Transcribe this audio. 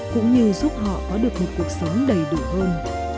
cũng như giúp họ có được một cuộc sống đầy đủ hơn